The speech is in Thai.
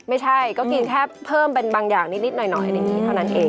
ไม่ใช่ก็กินแค่เพิ่มเป็นบางอย่างนิดหน่อยอะไรอย่างนี้เท่านั้นเอง